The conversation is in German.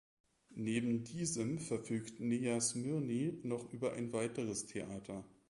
Neben diesem verfügt Nea Smyrni noch über ein weiteres Theater.